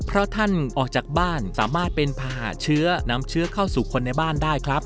เพราะท่านออกจากบ้านสามารถเป็นภาหาเชื้อนำเชื้อเข้าสู่คนในบ้านได้ครับ